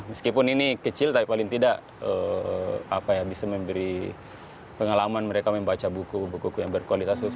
meskipun ini kecil tapi paling tidak bisa memberi pengalaman mereka membaca buku buku buku yang berkualitas